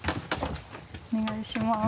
お願いします。